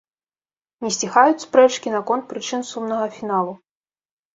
Не сціхаюць спрэчкі наконт прычын сумнага фіналу.